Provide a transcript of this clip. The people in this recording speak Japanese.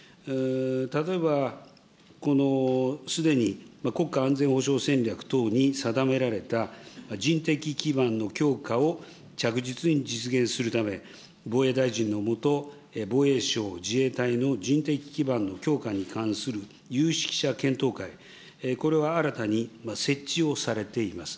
例えばこのすでに国家安全保障戦略等に定められた人的基盤の強化を着実に実現するため、防衛大臣の下、防衛省、自衛隊の人的基盤の強化に関する有識者検討会、これは新たに設置をされています。